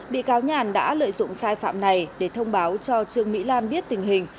bị cáo nhàn đã lợi dụng sai phạm này để thông báo cho trương mỹ lan biết tình hình